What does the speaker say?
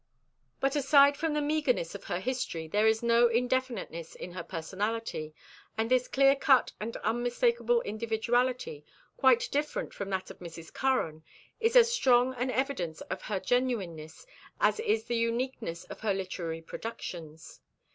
But, aside from the meagerness of her history, there is no indefiniteness in her personality, and this clear cut and unmistakable individuality, quite different from that of Mrs. Curran, is as strong an evidence of her genuineness as is the uniqueness of her literary productions.